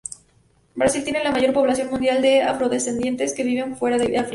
Brasil tiene la mayor población mundial de afrodescendientes que viven fuera de África.